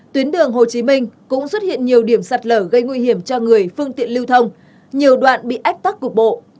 tuyến đường hồ chí minh cũng xuất hiện nhiều điểm sạt lở gây nguy hiểm cho người phương tiện lưu thông nhiều đoạn bị ách tắc cục bộ